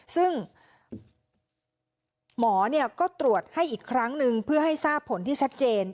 ซึ่งหมอก็ตรวจให้อีกครั้งนึงเพื่อให้ทราบผลที่ชัดเจน